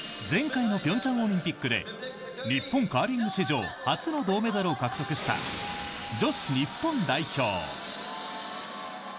前回の平昌オリンピックで日本カーリング史上初の銅メダルを獲得した女子日本代表。